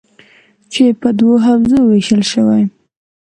چې په دوو حوزو ویشل شوي: